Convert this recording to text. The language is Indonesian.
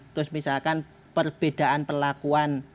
terus misalkan perbedaan perlakuan